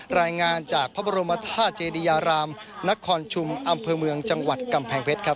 รายงานจากพระบรมธาตุเจดียารามนครชุมอำเภอเมืองจังหวัดกำแพงเพชรครับ